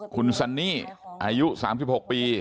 คุณซันนี่อายุ๓๖ปี